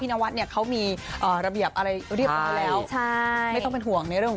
นวัดเนี่ยเขามีระเบียบอะไรเรียบร้อยแล้วใช่ไม่ต้องเป็นห่วงในเรื่องของ